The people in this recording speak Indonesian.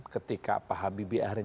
ketika pak habibie akhirnya